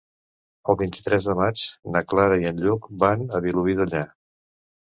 El vint-i-tres de maig na Clara i en Lluc van a Vilobí d'Onyar.